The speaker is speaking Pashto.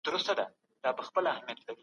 کډوال جانان په جبر باسي